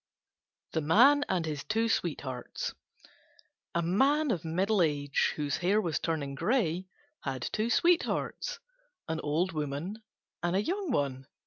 THE MAN AND HIS TWO SWEETHEARTS A Man of middle age, whose hair was turning grey, had two Sweethearts, an old woman and a young one.